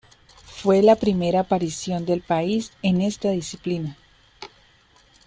Fue la primera aparición del país en esta disciplina.